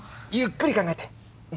ゆっくり考えて。